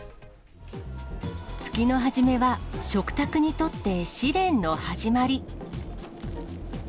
月の初めは食卓にとって試練の始まり。